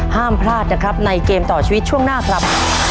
ห้ามพลาดนะครับในเกมต่อชีวิตช่วงหน้าครับ